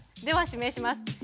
では指名します。